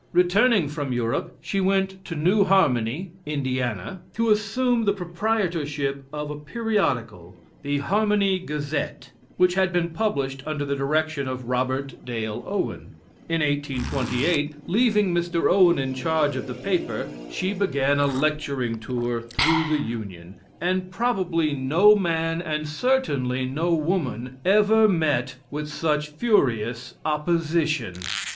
Returning from Europe, she went to New Harmony (Indiana) to assume the proprietorship of a periodical the Harmony Gazette, which had been published under the direction of Robert Dale Owen. In 1828, leaving Mr. Owen in charge of the paper, she began a lecturing tour through the Union; and probably no man, and certainly no woman, ever met with such furious opposition.